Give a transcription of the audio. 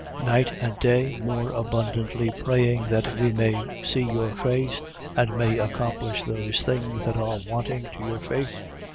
Night and day more abundantly praying that we may see your face and may accomplish those things that are wanting to your faith?